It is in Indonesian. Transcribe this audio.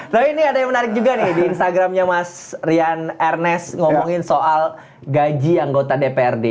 tapi ini ada yang menarik juga nih di instagramnya mas rian ernest ngomongin soal gaji anggota dprd